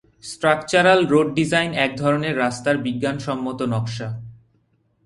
Structural road design এক ধরনের রাস্তার বিজ্ঞানসম্মত নকশা।